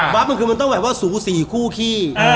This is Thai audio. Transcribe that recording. บั๊บมันคือมันว่าสูก๔คู่ขี้